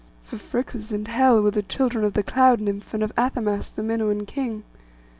For Phrixus and Helle were the children of the cloud nymph, and of Athamas the Minuan king.